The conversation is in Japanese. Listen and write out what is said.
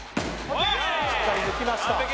しっかり抜きました